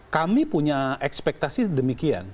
kami punya ekspektasi demikian